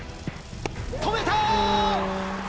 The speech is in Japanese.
止めた！